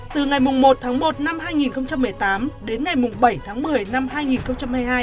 từ ngày một tháng một năm hai nghìn một mươi tám đến ngày bảy tháng một mươi năm hai nghìn hai mươi hai